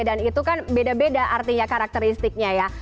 dan itu kan beda beda artinya karakteristiknya ya